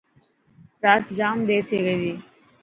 رات جام دير ٿي گئي تي.